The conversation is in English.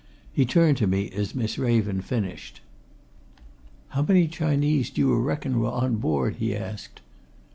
He turned to me as Miss Raven finished. "How many Chinese do you reckon were on board?" he asked.